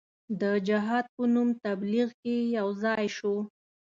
د جهاد په نوم تبلیغ کې یو ځای سو.